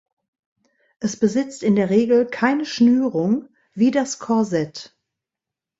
Es besitzt in der Regel keine Schnürung wie das Korsett.